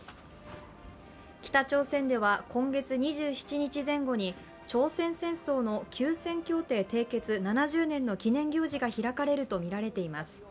北朝鮮では今月２７日前後に朝鮮戦争の休戦協定締結７０年の記念行事が開かれるとみられています。